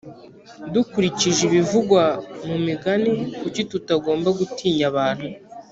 dukurikije ibivugwa mu migani kuki tutagomba gutinya abantu